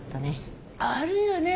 あるよね。